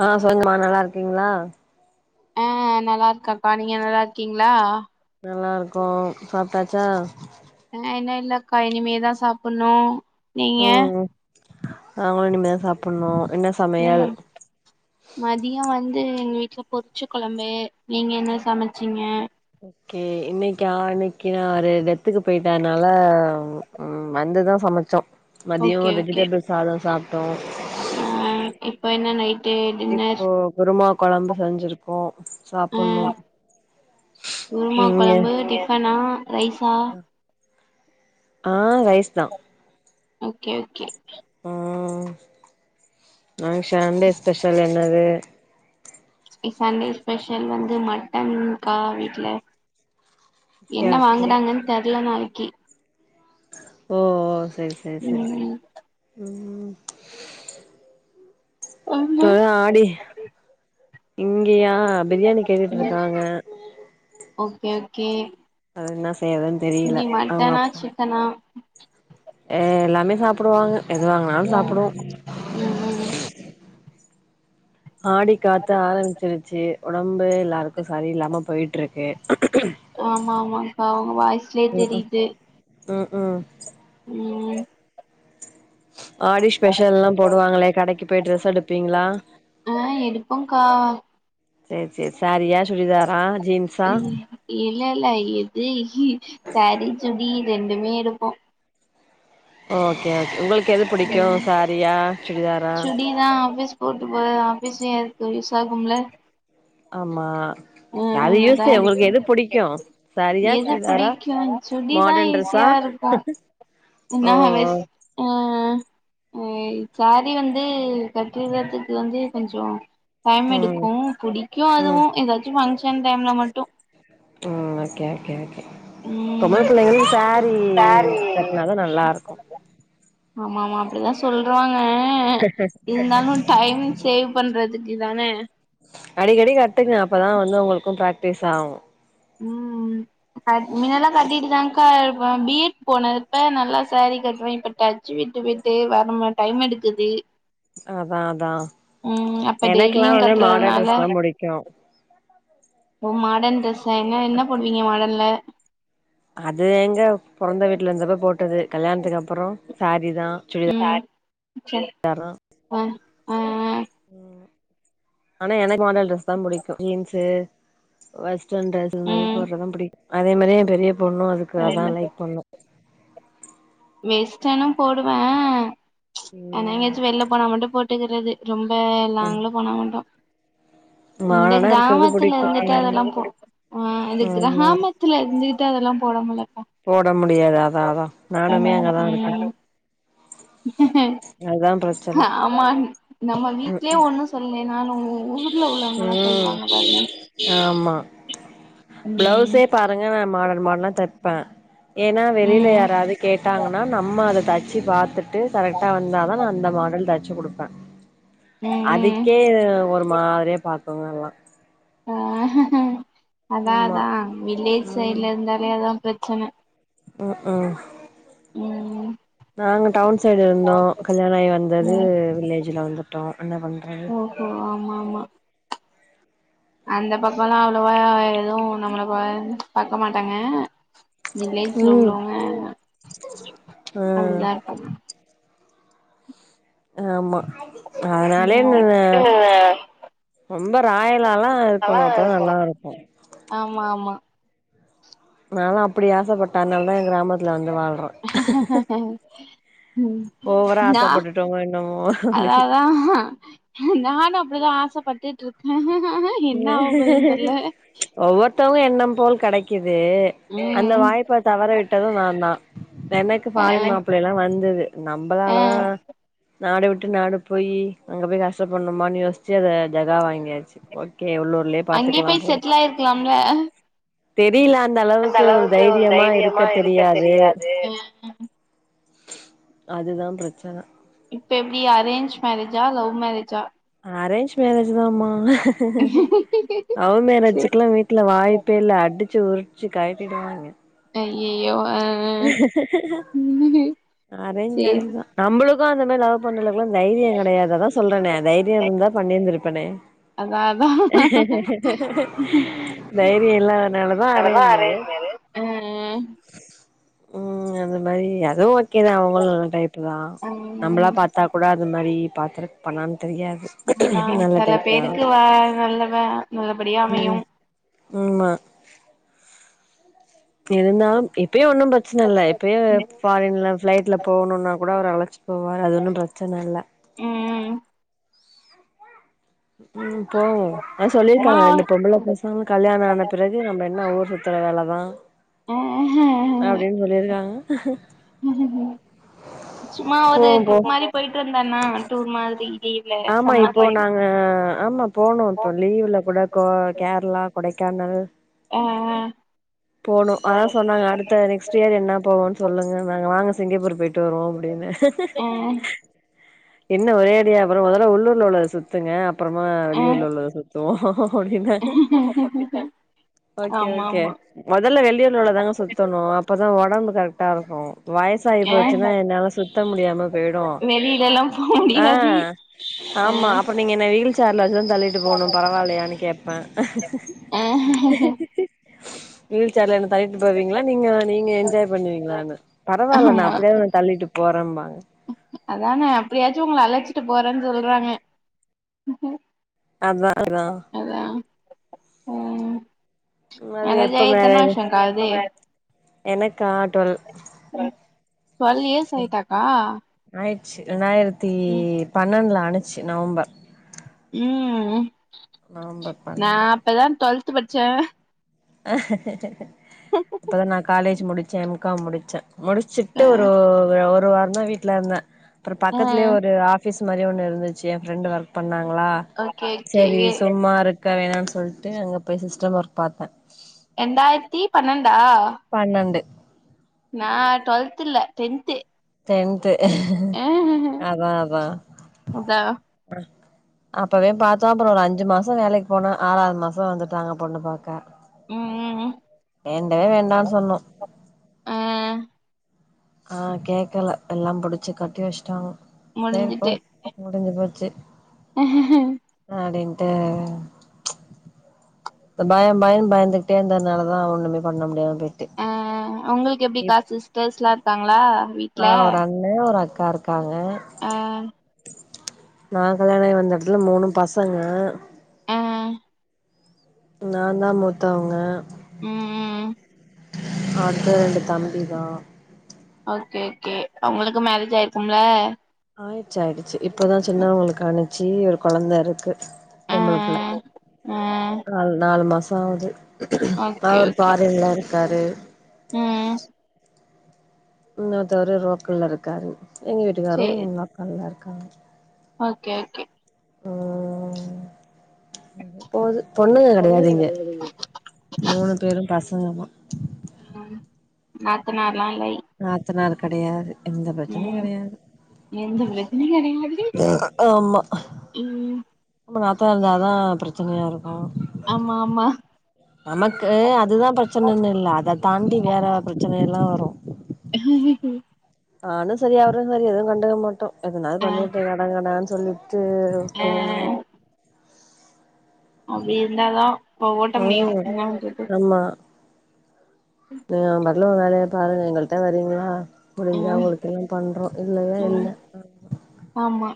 ஆ [unintelligible] நல்லா இருக்கீங்ளா அ நல்லா இருக்கப்பா நீங்க நல்லா இருக்கீங்ளா நல்லா இருக்கோ சாப்டாச்சா நா இன்னு இல்லக்கா இனிமேதா சாப்புன்னோ நீங்க ம் நாங்களு இனிமே சாப்புண்ணோ ம் மதியோ வந் து எங்க வீட்ல பொரிச்ச கொலம்பு நீங்க என்ன சமச்சீங்க ஓகே இன்னைக்கா இன்னைக்கு நா ஒரு டெத்துக்கு போய்ட்ட அத்னால ம் வ துதா சமச்சோ மதியோ ஓகே ஓகே வெஜிடபிள் சாதோ சாப்டோ ஆ இப்ப என்ன நைட் இப்போ குருமா கொழம்பு செஞ்சிருக்கோ சாப்புட்ணு அ குருமா ம் கொழம்பு டிஃபனா ரைசா ஆ ரைஸ் தா ஓகே ஓகே ம் நாளிக் ஷன்டே ஸ்பெஷல் என்னது சண்டே ஸ்பெஷல் வந்து மட்டன் கா வீட்ல ஓகே என்ன ஓகே வாங்குறாங்கன் தெர்ல நாளைக்கி ஓஓ செரி செரி செரி ம் ம் இப்பதா ஆடி இங்கியா பிரியாணி கேட்டுட்ருக்காங்க ஓகே ஓகே செய்யறதுன்னு தெரியல எப்டி அவங்க மட்டனா அப்பா சிக்கனா ஏ எல்லாமே சாப்டுவாங்க எது வாங்னாலு ம் சாப்டுவோ ம் ம் ஆடி காத்து ஆரம்பிச்சிருச்சு ஒடம்பே எல்லாருக்கு சரி இல்லாம போயிட்ருக்கு ஆமா ஆமா பாவ் உங்க வாய்ஸ்ல்யே தெரிது ம்க்ம் ம் ஆடி ஸ்பெஷல் எல்லா போடுவாங்களே கடைக்கு போய் ட்ரெஸ் எடுப்பீங்களா ஆ எடுப்போங்கா செர் செர் சேரியா இல்லில்ல எது சேரி சுடி ரெண்டுமே எடுப்போ ஓகே ஓகே உங்களுக்கு எது புடிக்கு ம் சேரீயா சுடிதாரா சுடிதா ஆஃபீஸ் போட்டு போ ஆஃபீஸ்லே யாருக்கு யூஸ் ஆகும்ல ஆமா ஓ அது யூஸ்சே உங்களுக்கு எது புடிக்கு சாரியா எது சுடிதாரா புடிக்கு மாடர்ன் ட்ரெஸ்ஸா ஓ நா அவேஸ் ஆ அ சாரீ வந்து கட்டீறதுக்கு வந்து கொஞ்சோ டைம் ஓ ம் எடுக்கு புடிக்கோ ம் அதுவு ஏதாச்சு ஃபங்ஷன் டைம்ல மட்டு ம் ஓகே ஓகே ஓகே பொம்பள ம் புள்ளைங்களுக்கு சாரீ கட்னாதா நல்லாருக்கு ஆமா ஆமா அப்படிதா சொல்றாங்க இருந்தாலு டைம் சேவ் பண்றதுக்கு இதானே அடிக்கடி கட்டுங்க அப்பதா வந்து உங்களுக்கு பிராக்டிஸ் ஆகு ம் ம் அட்மின்னெல்லா கட்டிட்டுதாக்கா இ நா பி எட் போனதுப்ப நல்லா சாரீ கட்டுவே இப்ப டச்சு விட்டு விட்டு வர மா டைம் எடுக்குது அதா அதா ம் அப்ப எனக்குல்லா டெய்லியு வந்து மாடர்ன் கட்டுறதுனால டரெஸ் தா புடிக்கு ஓ மாடர்ன் ட்ரெஸ்ஸ என்ன என்ன போடுவீங்க மாடர்ன்ல அது எங்க பொறந்த வீட்ல இருந்தப்ப போட்டது கல்யாணத்துக்கப்புற சாரீதா சுடிதா சா ஆ ஆ ஆனா எனக்கு மாடர்ன் ட்ரெஸ்தா புடிக்கு ஜீன்ஸ்சு வஸ் [unintelligible] மாரி ம் ம் போடுறதுதா பிடிக்கு அதே மாரி ஏ பெரிய பொண்ணு அதுக்கு அதா லைக் பண்ணு வேஸ்டான போடுவே ஏனா ம் எங்கயாச்சு வெள்ள போனா மட்டு போட்டுக்கிறது ரொம்ப லாங்ல போனா மட்டு இந்த மாடலா இருக்கறது கிராமத்துல புடிக்கு இருந்துட்டு ம் அதெல்லாம் போ ஆ இந்த ஆமா கிராமத்துல இருந்துகிட்டு அதெல்லா போட முல்ல போட முடியாது அதா அதா நானுமே ம் அங்கதா இருக்கே அதுதா பிரச்சன ஆமாம் நம்ம வீட்லயே ஒண்ணு சொல்லலேன்னாலு ஊர்ல உள்ளவங்கள்லா சொல் ம் லுவாங்க பாருங்க ஆமா ம் பிளவுஸே பாருங்க நா மாடர்ன் மாடர்ன்னா தெப்ப ஏன்னா வெளியில ம் யாராவது கேட்டாங்கன்னா நம்ம அத தச்சு பாத்துட் டு கரெக்டா வந்தாதா நா அந்த மாடல் தச்சு குடுப்பே ம் ம் அதுக்கே ஒரு மாரியா பாக்குங்க எல்லா ஆ அதா ஆமா அதா வில்லேஜ் ம் சைட்ல இருந்தாலே அதா பிரச்சன ம் ம் ம் நாங்க டவுன் சைடு இருந்தோ கல்யாண ஆயி வந்தது ம் வில்லேஜ்ல வந்தோ ஓஹோ ஆமாமா அந்த பக்கல்லா அவ்வளவா எதுவு நம்மள பா பாக்க மாட்டாங்க வில்லேஜ்ல ம் உள்ளவங்க ஆ அப்படிதா இருப்பாங்க ஆமா அதனாலே நா ம் ரொம்ப ராய ல்லா இருக்கணு அப்பதா நல்லாருக்கு ஆமா ஆமா நான்லா அப்டி ஆசைப்பட் அதனால்தா ஏ கிராமத்துல வந் ம் ஓவரா நா ஆசப்பட்டுட்டோமோ என்னமோ அப்டி அதாதா நானு அப்டிதா ஆசப்பட்டுட்ருக்கே ஒவ்வ வொருதங்க எண்ணம் போல் கெடைக்குது அந்த ம் வாய்ப்ப தவற விட்டது நாந்தா எனக்கு ஆ ஃபாரின் மாப்பிள்ளைலா வந்தது ஆ நம்மளாலதா நாடு விட்டு நாடு போய் அங்க போய் கஷ்டப்பண்ணுமான்னு யோசிச்சு அத ஜகா வாங்கியாச்சு ஓ கே உள்ளூர்லயே அங்கயே பாத்துக்கலாம் போய் போ செட்டில் ஆயிருக்கலாம்ல வெளீல அந்தளவுக்கு ஒரு தைரியமா இருக்கத் தெரியாது அதுதா ப்ரச்சன இப்ப எப்டி அரேன்ஞ்ச் மேரேஜா லௌ மேரேஜா அரேன்ஞ்ச் மேரேஜு தாம்மா லௌ மேரேஜுக்குல்லா வீட்ல வாய்ப்பே இல்ல அடிச் சி உருச்சி கயட்டிடுவாங்க ஐயையோ ஆ அரேன்ஞ் சேரி மேரேஜ் தா நம்பளுக்கு அந்த மாரி லௌ பண்றளவுக்குல்லா தைரியொ கடையாது அதா சொல்றனே தைரியொ இருந்தா பண்ணிருந்திருப்பனே அதா அதா ஹ தைரியொ இல்லாதனாலதா அரேண்ஞ் மேரே ஆ ம் அது மாரி அ அதுவு ஓகே தா அவுங்களு நல்ல டைப்பு தா நம்பளா ம் பாத்தாக் கூட அது மாரி பாத்துருக் பண்ண தெரியாது அதா நல்ல சில டைப் தா பேருக்கு வ நல்லவ நல்லபடியா அமையு ம் ஆமா இருந்தாலும் இப்பயு ஒன்னும் ப்ரச்சன இல்ல இப்பயு ம் ஃபாரின்ல ஃப்ளைட்ல போவணுன்னா கூட அவர் அழச்சிட் போவாரு அது ஒன்னும் ப்ரச்சன இல்ல ம் ம் போவோ அது சும்மா சொல்லிருக்காங்க ரெண்டு பொம்பள பசங்ள கல்யாண ஆன பிறகு நம்ம என்ன ஊர் சுத்துற வேலதா ம் அப்டின் சொல்லிருக்காங்க சும்மா ஒரு போவோ போ ட்ரிப் மாரி போயிட்டு வந்தா என்ன டூர் மாதிரி லீவ்ல ஆமா சம்மர் இப்போ லீவ்ல நாங்க ஆமா போணு இப்ப லீவுல கூட கொ கேர்ளா கொடைக்கானல் ஆ போணு அதா சொன்னாங்க அடுத்த நெக்ஸ்ட்டியர் என்னா போவன் சொல்லுங்கன்னாங்க வாங்க சிங்கப்பூர் போயிட் ட்டு வருவோ அப்டின்ன ஆ என்ன ஒரே அடியா அப்பறொ மொதல்ல உள்ளூர்ல உள்ளத சுத்துங்க அப்பறமா ஆ வெளியூர்ல உள்ளத சுத்துவோ அப்டின்னாங்க ஓகே ஆமா ஓகே ஆமா மொதல்ல வெளியூர்ல உள்ளதாங்க சுத்தணு அப்பதா ஒடம்பு கரெக்ட்டா இருக்கு வயசாயி ஆ போச்சுன்னா என்னால சுத்த முடியாம பேய்டு வெளியிலல்லா போ ஆ முடியாது ஆ ஆமா அப்பறொ நீங்க என்ன வீல் சேர்லதா தள்ளிட்டு போணு பரவா இல்லையானு கேப்ப ஆ வீல் சேர்ல என்ன தள்ளிட்டு போவீங்ளா நீங்க நீங்க என்ஜாய் பண்ணுவீங்களானு பரவால்ல நா ஆமா அப்டியாது ஒன்ன தள்ளிட்டு போறம்பாங் அ அதான அப்டியாச்சு உங்கள அழச்சிட்டு போறன் சொல்றாங்க அதா அதா அதா ம் அதுங்க மேரேஜ் எப்ப ஆயி எத்தன மேரேஜ் வருஷோக்கா ஆகுது எனக்கா ட்வல் ட்வல் இயர்ஸ் ஆய்ட்டாக்கா ச் ரெண்டாயிரத்தி பன்னெண்ட்ல ஆனுச்சி நவம்பர் ம் நவம்பர் நா பன்னெண்டு அப்பதா டுவல்த்து படிச்ச அப்பதா நான் காலேஜ் முடிச்ச எம் காம் முடிச்ச அ முடிச்சிட்டு ஒரு ஒரு வாரந்தா வீட்ல இருந்த அப்பறொ அ பக்கத்லயே ஒரு ஆஃபிஸ் மாரி ஒண்ணு இருந்துச்சி ஏ ஃப்ரெண்டு ஒர்க் பண்ணாங்ளா ஓகே ஓகே சேரி சும்மா இருக் க்க வேணான் சொல்ட்டு அங்க போய் சிஸ்டம் ஒர்க் பாத்த ரெண்டாயர்த்தி பன்னெண் பன்னெண்டு நா டுவல்த்து இல்ல டென்த்து டென்த்து அதா அதா அதா அப்பவே பாத்தோ அப்பறோ ஒரு அஞ்சி மாசொ வேலக்கி போன ஆறாவ்து மாசொ வந்துட்டாங்க பொண்ணு பாக்க ம் ம் ம் வேண்டவே வேண்டானு சொன்னோ ம் ஆ கேக்கல எல்லா புடுச்சு கட்டி வச்டாங்க செரிப் போ முடிஞ்சு போச்சு அஹஹ் ஹ அப்டின்ட்டு இந்த பயொ பயொன் பயந்துக்கிட்டே இந்தனால தா ஒண்ணுமே பண்ண முடியாம போயிட்டு அ ஒங்களுக்கு இப் எப்டிக்கா சிஸ்டர்ஸ்லா இருக்காங்ளா ஆ ஒரு அண்ணே ஒரு அக்கா இருக்காங்க ஆ நா கல்யாணாயி வந்தெடத்துல மூனு பசங்க ஆ நா தா மூத்தவங்க ம் ம் ம் அடுத்தது ரெண்டு தம்பி தா ஓகே ஓகே அவுங்ளுக்கு மேரேஜ் ஆயிருக்கும்ல ஆயிருச்சு ஆயிடுச்சு இப்பதா சின்னவங்களுக்கு ஆனுச்சு ஒரு கொழந்த இருக்கு பொம்பள புள்ள ஆ நால் நாலு மாச ஆவுது ஓகே அவர் ஓகே ஃபாரின்ல இருக்காரு ம் இன்னொருத்தவரு ரோக்கல்ல இருக்காரு எங்க வீட்டுக்காரு சேரி லோக்கல்ல இருக்காங்க ஓகே ஓகே ம் ம் போது பொண்ணுங்க கெடையாது இங்க ம் மூணு பேரும் பசங்கதா ம் நாத்துனார்லா இல்லை நாத்தனார் கெடையாது எந்த பிரச்சனையு ம் கெடையாது எந்த பிரச்சனையு கெடயாதுடி ம் ஓ நாத்தனார் இருந்தாதா பிரச்சனையா இருக்கு ஆமா ஆமா நமக்கு அதுதா ப்ரச்சனன்னு இல்ல அத தாண்டி வேற ப்ரச்சனை எல்லா வரு நானு சரி அவரு சரி எதுவு கண்டுக்க மாட்டோ எதுனாது ஆ பண்ணிவுட்டு கடங்கடான்னு சொல்லி த்து ஆ உட்ருவோ நாங்க அப்டி இருந்தாதா இப்ப ஓட்ட முடியு ம் என்ன பண்றது நீ ஓம் பாட்ல ஓ வேலைய பாரு எங்கள்ட்ட வரீங்ளா முடுஞ்சா ம் அவுங்களுக்கெல்லா பண்றோ இல்லனா இல்ல ம் ஆமா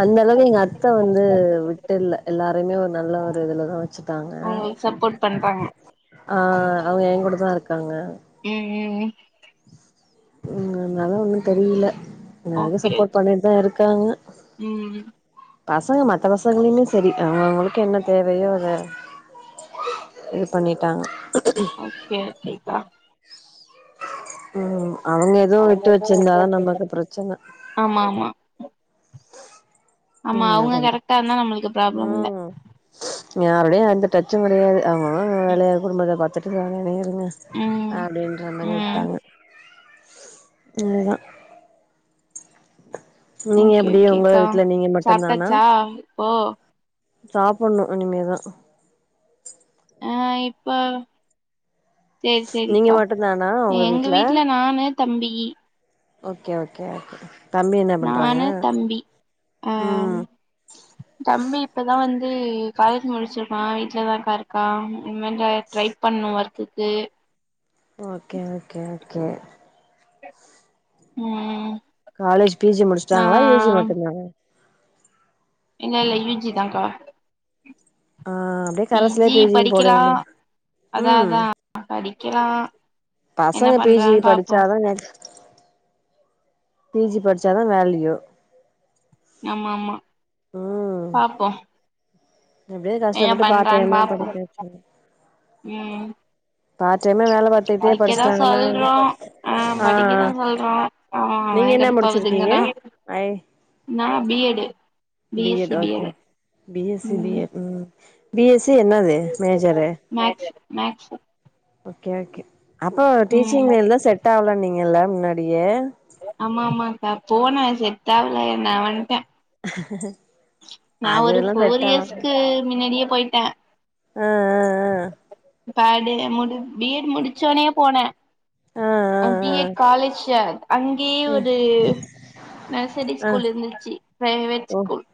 அந்த அளவு எங்க அத்த வந்து விட்டுல்ல எல்லாரைமே ஒர் நல்ல ஒரு இதுலதா வச்சு அவுங்களுக் சப்போர்ட் பண்றாங்க ஆ அவுங்க எ கூட தா இருக்காங்க ம் ம் ம் ம் அதுனால ஒண்ணு தெரியில இன்ன வரைக்கு ஓகே சப்போர்ட் பண்ணிட்தா இருக்காங்க ம் பசங்க மத்த பசங்களையுமே செரி அவுங்கவுங்களுக்கு என்ன தேவையோ அத இது பண்ணிட்டாங்க ஓகே ஓகேக்கா ம் அவங்க எதுவு விட்டு அவங்கதா வச்சிருந்தாதா நமக்கு பிரச்சன ஆமா ஆமா ஆமா ம் அவங்க [unintelligible] கரெக்டா இருந்தா நம்மளுக்கு ப்ராப்ளம் இல்ல ம் யாருடையு எந்த டச்சு கெடையாது அவுங்ககங்க அவுங்க வேலைய குடும்பத்த பாத்துட்டு [unintelligible] [unintelligible] ம் அப்டின்ற மாரி ம் விட்டாங்க இதுதா நீங்க ஓகே எப்டி உங்க ஓகேக்கா வீட்ல நீங்க மட்டுந்தானா சாப்ட்டாச்சா இப்போ சாப்புட்ணு இனிமேதா ஆ இப்ப சேரி நீங்க சேரிக்கா மட்டுந்தானா உங்க எங்க வீட்ல நானு தம்பி ஓகே ஓகே தம்பி என்ன பண்றாங்க நானு தம்பி ஆ ம் தம்பி இப்பதா வந்து வந்து காலேஜ் முடிச்சுருக்கான் வீட்லதாக்கா இருக்கான் இன்மே தா ட்ரை பண்ணு ஒர்க்குக்கு ஓகே ஓகே ஓகே ம் காலேஜ் பீ ஜி நா முடிச்ட்டாங்ளா யு ஜி மட்டுந்தானா இல்ல இல்ல யு ஜிதாக்கா ஆ அப்டியே பி கரஸ்லே ஜி யு போட படிக்கிறா வேண்டியதா அதா ம் அதா படிக்கெலா பசங்க பீ ஜி படிச்சாதாங்க பி ஜி படிச் டிச்சாதா வேல்யூ ஆமா ஆமா பாப்போ எப்டியாவது என்ன கஷ்டப்பட்டு பண்றான்னு பார்ட்டைம்மா பாப்போ படிக்க வச்சுடு பாத்துக்கிட்டே படிக்க தா படிச்சுட்டாங்கன்னா சொல்றோ ஆ படிக்கதா சொல்றோ ஆமா அவெ எங்கருந்து போகுதுங்கனா அய் நா B Ed B S C Ed okay Ed B S C B Ed ம் பி எஸ் சி என்னது மேஜரு மேக்ஸு ஓகே ஓகே அப்ப டீச்சி வேலதா செட் ஆவலன்னீங்கல்ல முன்னாடியே ஆமா ஆமாக்கா ஃபோனா செட்டாகவல நா வன்ட்டே அஹ்ஹுஹு நா ஒரு ஃபோர் இயர்ஸ்கு மின்னாடியே போயிட்டே அ அ அ பாடியே முடிச்சு பி எட் முடிச்சோனையே போனே ஆ ஆ ஆ அ பி ஆ எட் காலேஜு அங்கேயே ஒரு நர்சரி ஆ ஆ ஸ்கூல் இருந்துச்சு ப்ரைவேட் ஓ ஸ்கூல்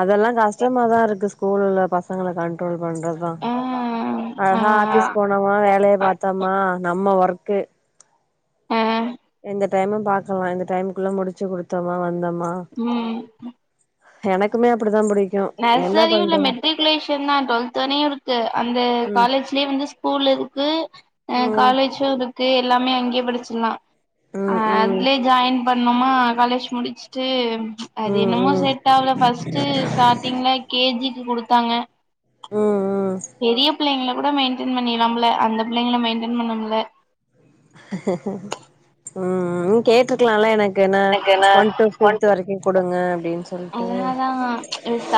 அதெல்லா கஸ்ட்டமா தா இருக்கு ஸ்கூல்ல பசங்கல கண்ட்ரோல் பண்றதா ஆ அழகா ஆபிஸ் ஆ போனமா வேலய பாத்தமா நம்ம ஒர்க் ர்கு ஆ இந்த டைமு பாத்தமா இந்த டைம்குள்ள முடிச்சு குடுத்தமா வந்தமா ம் ம் எனக்குமே அப்டிதா புடிக் நர்சரியும் இல்ல மெட்ரிகுலேஷன் தான் டுவெல்த் வரியு இருக்கு அந்த ம் காலேஜ்லியு வந்து ஸ்கூல் இருக் கு ஆ ம் காலேஜும் இருக்கு எல்லாமே அங்கயே படிச்சுர்லா அ ம் ம் அதுல்யே ஜாயின் பண்ணோமா காலேஜ் முடிச்சுட்டு அது ம் ம் என்னமோ ம் செட் ஆவுல ஃபஸ்ட்டு ஸ்டார்டிங்ல கேஜிக்கு குடுத்தாங்க ம் ம் பெரிய புள்ளைங்கள கூட மெயின்டென் பண்ணிர்லா போல அந்த புள்ளைங்கள மெயின்டென் பண்ணணுல்ல ம் ம் ம் கேட்டுருக்லால்ல எனக்கு நா எனக்குன ஒன் டூ ஃபிப்த் வரைக்கு குடுங்க அப்டின் சொல்ட்டு அதனாலதா